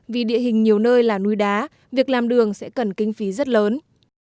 vì địa hình nhiều nơi là núi đá việc làm đường sẽ cần kinh phí rất lớn